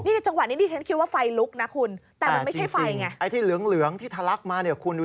นี่จังหวะนี้ดิฉันคิดว่าไฟลุกนะคุณ